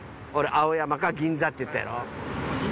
青山か銀座って言ったやろ。